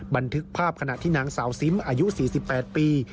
บันทึกภาพขณะที่นางสาวซิมอายุ๔๘ปี